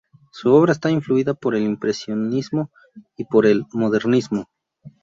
Su obra está influida por el Impresionismo y por el Modernismo.